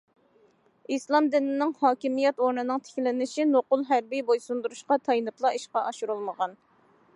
ئىسلام دىنىنىڭ ھاكىمىيەت ئورنىنىڭ تىكلىنىشى نوقۇل ھەربىي بويسۇندۇرۇشقا تايىنىپلا ئىشقا ئاشۇرۇلمىغان.